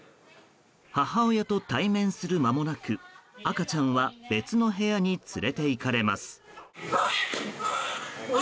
母親と対面する間もなく赤ちゃんは別の部屋に連れていかれます。